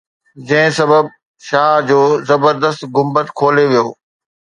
جنهن سبب شاهه جو زبردست گنبد کولي ويو